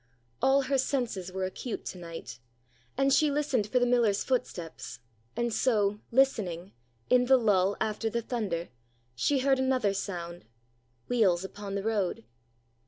All her senses were acute to night, and she listened for the miller's footsteps, and so, listening, in the lull after the thunder, she heard another sound. Wheels upon the road.